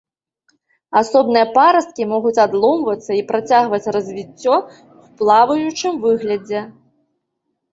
Асобныя парасткі могуць адломвацца і працягваць развіццё ў плаваючым выглядзе.